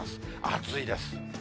暑いです。